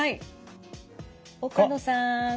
岡野さん。